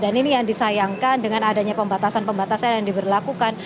ini yang disayangkan dengan adanya pembatasan pembatasan yang diberlakukan